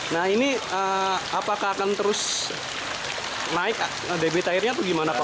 nah ini apakah akan terus naik debit airnya atau gimana pak